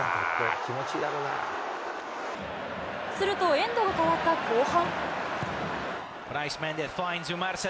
するとエンドが変わった後半。